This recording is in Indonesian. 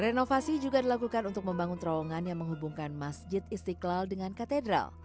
renovasi juga dilakukan untuk membangun terowongan yang menghubungkan masjid istiqlal dengan katedral